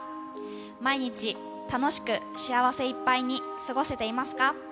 毎日、楽しく、幸せいっぱいに過ごせていますか？